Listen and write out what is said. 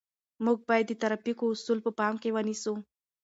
موږ باید د ترافیکو اصول په پام کې ونیسو.